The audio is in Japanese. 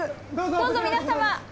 どうぞ皆様。